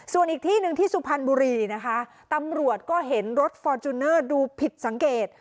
ส่วนอีกที่หนึ่งที่สุพรรณบุรีนะคะตำรวจก็เห็นรถฟอร์จูเนอร์ดูผิดสังเกต